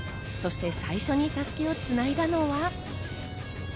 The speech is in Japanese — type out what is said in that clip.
そして最初に襷をつないだのは。